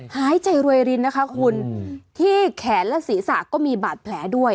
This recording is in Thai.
หายใจรวยรินนะคะคุณที่แขนและศีรษะก็มีบาดแผลด้วย